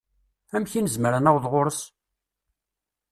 Amek i nezmer ad naweḍ ɣur-s?